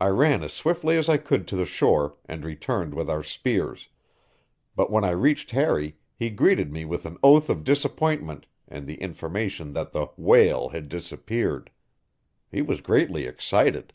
I ran as swiftly as I could to the shore and returned with our spears, but when I reached Harry he greeted me with an oath of disappointment and the information that the "whale" had disappeared. He was greatly excited.